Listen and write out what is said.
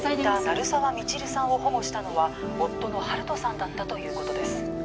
鳴沢未知留さんを保護したのは夫の温人さんだったということです